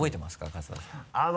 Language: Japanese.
春日さん。